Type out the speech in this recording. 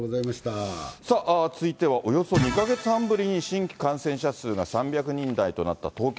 さあ、続いては、およそ２か月半ぶりに新規感染者数が３００人台となった東京。